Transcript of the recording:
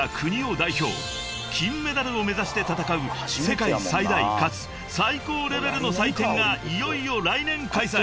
［金メダルを目指して戦う世界最大かつ最高レベルの祭典がいよいよ来年開催］